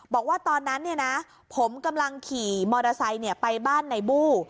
บอกว่าตอนนั้นผมกำลังขี่มอเตอร์ไซค์ไปบ้านในบู้